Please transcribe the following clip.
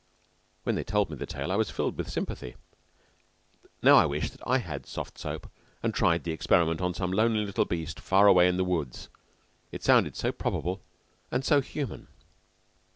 When they told me the tale I was filled with sympathy. Now I wish that I had soft soap and tried the experiment on some lonely little beast far away in the woods. It sounds so probable and so human.